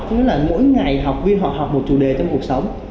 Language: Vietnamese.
tức là mỗi ngày học viên họ học một chủ đề trong cuộc sống